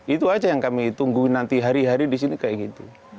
itu aja yang kami tunggu nanti hari hari di sini kayak gitu